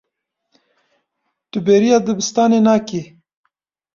Tu bêriya dibistanê nakî.